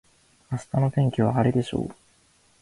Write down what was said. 明日の天気は晴れでしょう。